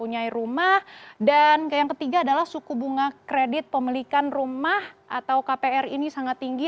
yang ketiga adalah suku bunga kredit pemilikan rumah atau kpr ini sangat tinggi